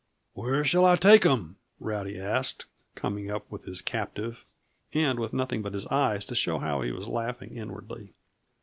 "Where shall I take him?" Rowdy asked, coming up with his captive, and with nothing but his eyes to show how he was laughing inwardly.